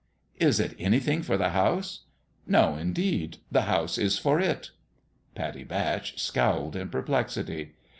" Is it anything for the house ?"" No, indeed ; the house is for zV." Pattie Batch scowled in perplexity.